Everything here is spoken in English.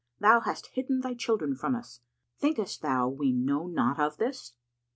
Thou hast hidden thy children from us. Thinkest thou we know not of this?